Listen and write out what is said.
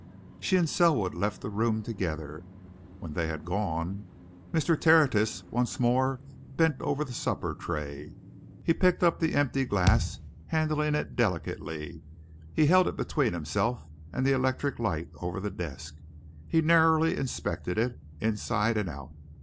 She and Selwood left the room together. When they had gone, Mr. Tertius once more bent over the supper tray. He picked up the empty glass, handling it delicately; he held it between himself and the electric light over the desk; he narrowly inspected it, inside and out.